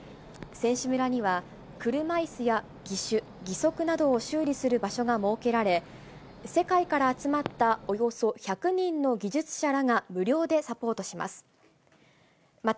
選手村には車いすや義手、義足などを修理する場所が設けられ、世界から集まったおよそ１００人の技術者らが無料でサポートします。